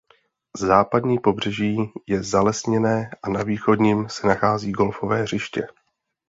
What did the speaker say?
Západní pobřeží je zalesněné a na východním se nachází golfové hřiště.